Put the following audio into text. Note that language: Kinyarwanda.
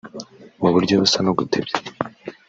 Mu buryo busa no gutebya